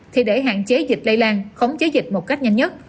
thì để hạn chế dịch lây lan khống chế dịch một cách nhanh nhất